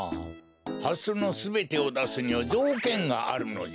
ハスのすべてをだすにはじょうけんがあるのじゃ。